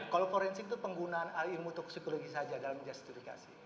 kalau forensik itu penggunaan ilmu toksikologi saja dalam justifikasi